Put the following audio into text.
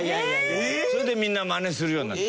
それでみんなマネするようになった。